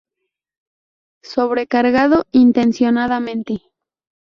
Sobrecargado intencionadamente.